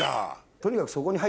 とにかく。